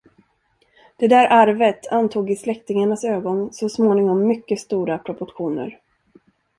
Det där arvet antog i släktingarnas ögon så småningom mycket stora proportioner.